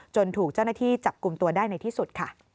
ถูกเจ้าหน้าที่จับกลุ่มตัวได้ในที่สุดค่ะ